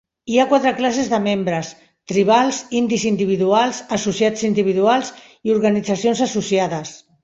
Hi ha quatre classes de membres: tribals, indis individuals, associats individuals, i organitzacions associades.